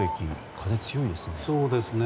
風が強いですね。